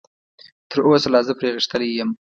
تراوسه لا زه پرې غښتلی یم.